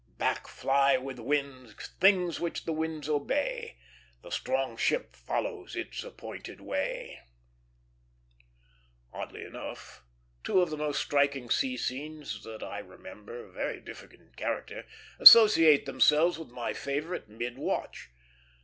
Back fly with winds things which the winds obey, The strong ship follows its appointed way." Oddly enough, two of the most striking sea scenes that I remember, very different in character, associate themselves with my favorite mid watch.